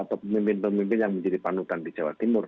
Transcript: dan pemimpin pemimpin yang menjadi panutan di jawa timur